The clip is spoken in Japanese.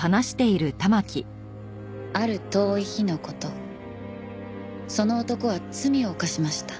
ある遠い日の事その男は罪を犯しました。